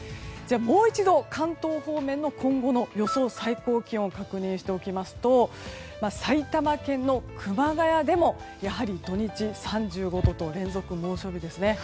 もう一度、関東方面の今後の予想最高気温を確認しておきますと埼玉県の熊谷でもやはり土日、３５度と連続猛暑日ですね。